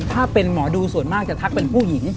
ถ้าเป็นหมอดูส่วนมากจะทักเป็นผู้หญิง